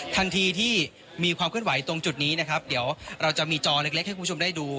ทันทีที่มีความเคลื่อนไหวตรงจุดนี้นะครับเดี๋ยวเราจะมีจอเล็กให้คุณผู้ชมได้ดู